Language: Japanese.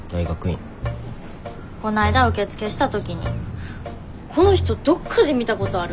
こないだ受付した時に「この人どっかで見たことある。